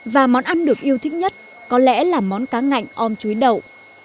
và món ăn được yêu thích nhất có lẽ là món cá ngạnh ôm chuối đậu